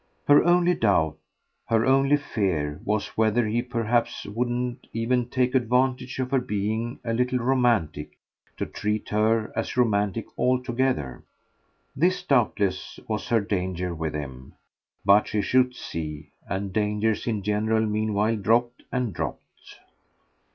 Her only doubt, her only fear, was whether he perhaps wouldn't even take advantage of her being a little romantic to treat her as romantic altogether. This doubtless was her danger with him; but she should see, and dangers in general meanwhile dropped and dropped.